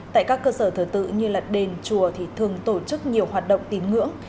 tại các cơ sở thờ tự như là đền chùa thì thường tổ chức nhiều hoạt động tín ngưỡng